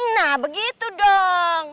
nah begitu dong